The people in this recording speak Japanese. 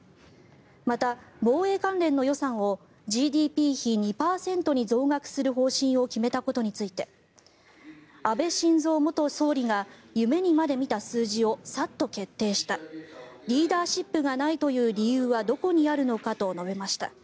また、防衛関連の予算をＧＤＰ比２％に増額する方針を決めたことについて安倍晋三元総理が夢にまで見た数字をサッと決定したリーダーシップがないという理由はどこにあるのかと述べました。